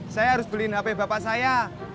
saya harus beliin hp bapak saya